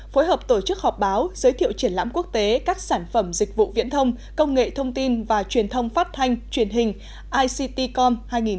phối hợp tổ chức họp báo giới thiệu triển lãm quốc tế các sản phẩm dịch vụ viễn thông công nghệ thông tin và truyền thông phát thanh truyền hình ictcom hai nghìn một mươi chín